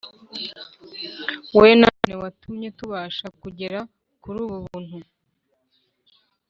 we nanone watumye tubasha kugera kuri ubu buntu